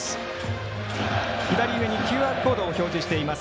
左上にＱＲコードを表示しています。